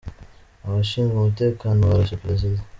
Abashinzwe umutekano barashe perezida